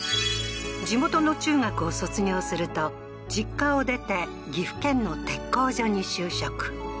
地元の中学を卒業すると実家を出て岐阜県の鉄工所に就職